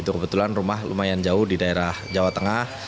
kebetulan rumah lumayan jauh di daerah jawa tengah